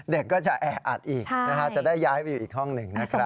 เด็กก็จะแออัดอีกจะได้ย้ายไปอยู่อีกห้องหนึ่งนะครับ